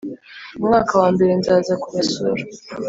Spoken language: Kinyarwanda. umwaka wa mbere nzaza kubasura